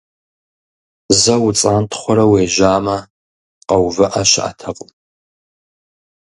Зэ уцӀантхъуэрэ уежьамэ, къэувыӀэ щыӀэтэкъым.